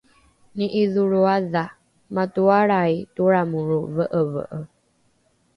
ni’idholroadha matoalrai toramoro ve’eve’e